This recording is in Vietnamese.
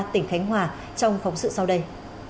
tỉnh khánh hòa trong phóng sự sau đây